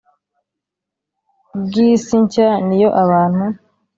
Bw isi nshya ni yo abantu